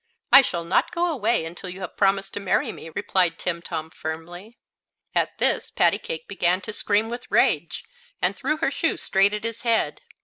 "I shall not go away until you have promised to marry me," replied Timtom, firmly. At this Pattycake began to scream with rage, and threw her shoe straight at his head.